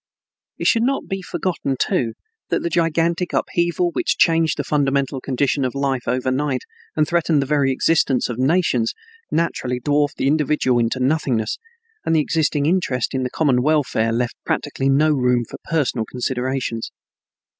It should not be forgotten, too, that the gigantic upheaval which changed the fundamental condition of life overnight and threatened the very existence of nations naturally dwarfed the individual into nothingness, and the existing interest in the common welfare left practically no room for personal considerations.